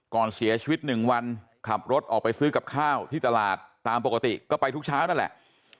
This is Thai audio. ก่อนเสียชีวิต๑วันขับรถออกไปซื้อกับข้าวที่ตลาดตามปกติก็ไปทุกเช้านั่นแหละ